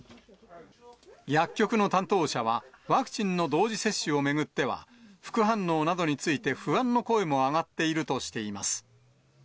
薬局の担当者は、ワクチンの同時接種を巡っては、副反応などについて不安の声も上がっているとしています。